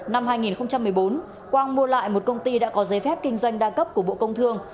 năm hai nghìn một mươi bốn quang mua lại một công ty đã có giấy phép kinh doanh đa cấp của bộ công thương